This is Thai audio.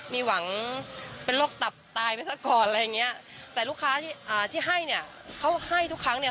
มีหวังเป็นโรคตับตายไปซะก่อนอะไรอย่างเงี้ยแต่ลูกค้าที่ให้เนี่ยเขาให้ทุกครั้งเนี่ย